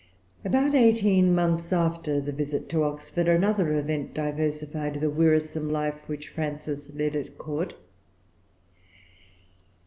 About eighteen months after the visit to Oxford, another event diversified the wearisome life which Frances led at court.